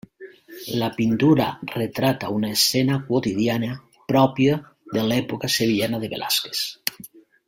La pintura retrata una escena quotidiana pròpia de l'època sevillana de Velázquez.